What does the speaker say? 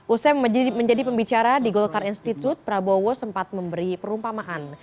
usai menjadi pembicara di golkar institute prabowo sempat memberi perumpamaan